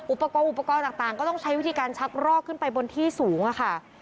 อุปกรณ์อุปกรณ์ต่างก็ต้องใช้วิธีการชักรอกขึ้นไปบนที่สูงค่ะ